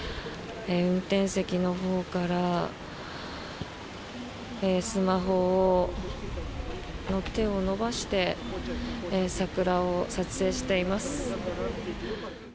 運転席のほうからスマホの手を伸ばして桜を撮影しています。